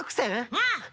うん！